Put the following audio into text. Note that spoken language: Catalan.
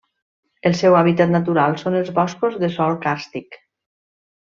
El seu hàbitat natural són els boscos de sòl càrstic.